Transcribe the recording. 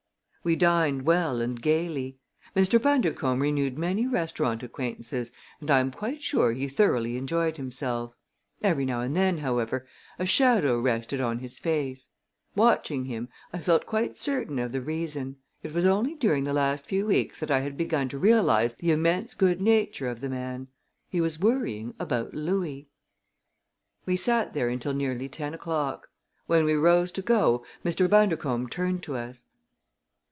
We dined well and gayly. Mr. Bundercombe renewed many restaurant acquaintances and I am quite sure he thoroughly enjoyed himself. Every now and then, however, a shadow rested on his face. Watching him, I felt quite certain of the reason. It was only during the last few weeks that I had begun to realize the immense good nature of the man. He was worrying about Louis. We sat there until nearly ten o'clock. When we rose to go Mr. Bundercombe turned to us.